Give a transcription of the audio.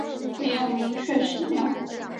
没有明确史料